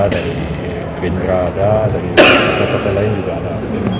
dari green rada dari kpp lain juga ada